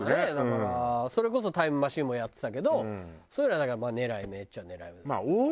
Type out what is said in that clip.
それこそタイムマシーンもやってたけどそういうのはだから狙い目っちゃ狙い目。